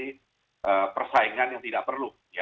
maka kita harus memiliki persaingan yang tidak perlu